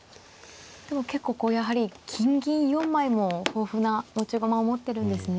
でも結構こうやはり金銀４枚も豊富な持ち駒を持ってるんですね